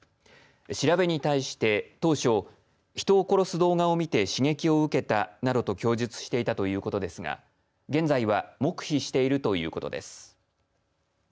調べに対して当初人を殺す動画を見て刺激を受けたなどと供述していたということですが現在は黙秘しているということです。